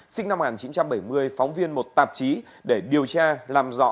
sinh năm một nghìn chín trăm bảy mươi phóng viên một tạp chí để điều tra làm rõ